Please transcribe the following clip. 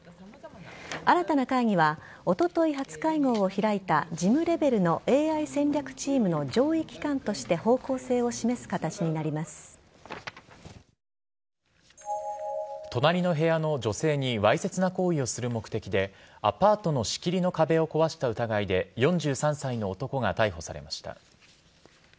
新たな会議はおととい初会合を開いた事務レベルのＡＩ戦略チームの上位機関として隣の部屋の女性にわいせつな行為をする目的でアパートの仕切りの壁を壊した疑いで４３歳の男が逮捕されました。